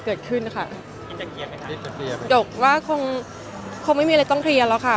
เกิดขึ้นค่ะหยกว่าคงคงไม่มีอะไรต้องเคลียร์แล้วค่ะ